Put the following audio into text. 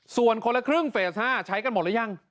ส่วนคนละครึ่งเฟส๕ใช้กันหมดหรือยัง